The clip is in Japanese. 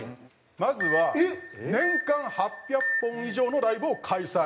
まずは年間８００本以上のライブを開催。